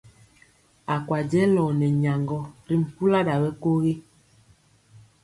A kwa jɛlɔ nɛ nyaŋgɔ ri mpula ɗa ɓɛkogi.